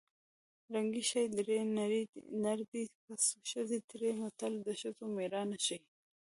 ړنګې شې درې نر دې پڅ ښځې تېرې متل د ښځو مېړانه ښيي